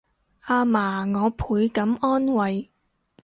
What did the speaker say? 阿嫲我倍感安慰